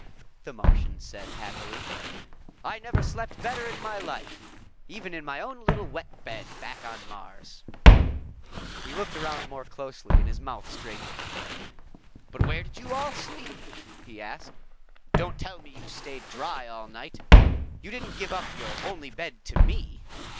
the Martian said happily. "I never slept better in my life, even in my own little wet bed back on Mars." He looked around more closely and his mouth straightened. "But where did you all sleep?" he asked. "Don't tell me you stayed dry all night! You didn't give up your only bed to me?"